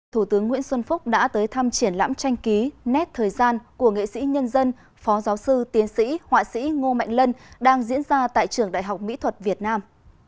thủ tướng nguyễn xuân phúc đã tới thăm triển lãm tranh ký nét thời gian của nghệ sĩ nhân dân phó giáo sư tiến sĩ họa sĩ ngô mạnh lân đang diễn ra tại trường đại học mỹ thuật việt nam